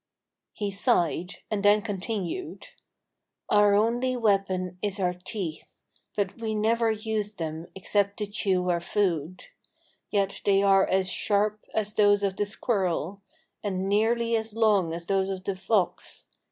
He sighed, and then continued: "Our only weapon is our teeth, but we never use them except to chew our food. Yet they are as sharp as those of the Squirrel, and nearly as long as those of the Fox.